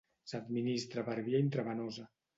S'administra per via intravenosa.